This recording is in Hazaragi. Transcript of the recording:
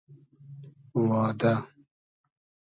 وا دۂ